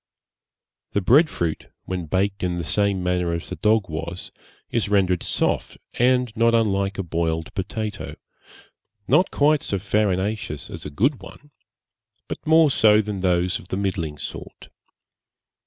The bread fruit, when baked in the same manner as the dog was, is rendered soft, and not unlike a boiled potato; not quite so farinaceous as a good one, but more so than those of the middling sort.